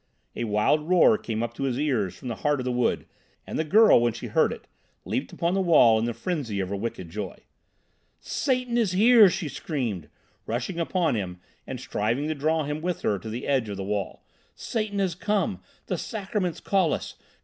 A wild roar came up to his ears from the heart of the wood, and the girl, when she heard it, leaped upon the wall in the frenzy of her wicked joy. "Satan is there!" she screamed, rushing upon him and striving to draw him with her to the edge of the wall. "Satan has come. The Sacraments call us!